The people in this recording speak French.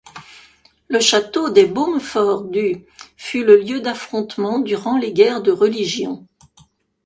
Le château des Beaumefort du fut le lieu d’affrontements durant les guerres de Religions.